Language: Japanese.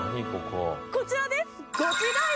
こちらです！